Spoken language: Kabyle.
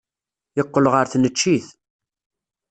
Yeqqel ɣer tneččit.